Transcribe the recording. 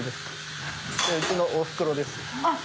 うちのおふくろです。